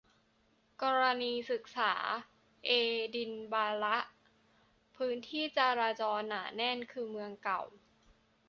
กรณีศึกษา เอดินบะระ พื้นที่จราจรหนาแน่นคือเมืองเก่า